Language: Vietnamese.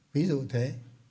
ví dụ thế